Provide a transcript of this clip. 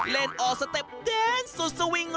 เล่นออกสเต็ปแดนสุดสวิง